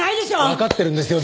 わかってるんですよ。